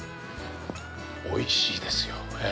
おいしいですよ。